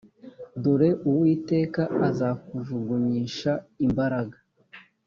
dore uwiteka azakujugunyisha imbaraga